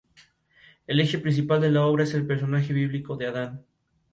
En el Centro desarrolló su actividad educativa.